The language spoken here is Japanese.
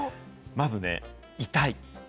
まず痛い。